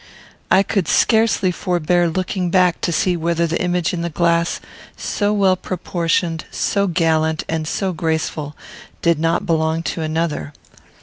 I could scarcely forbear looking back to see whether the image in the glass, so well proportioned, so gallant, and so graceful, did not belong to another.